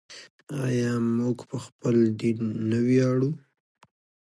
آیا موږ په خپل دین نه ویاړو؟